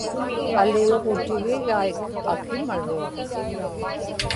aliuġutigigaik akimaruak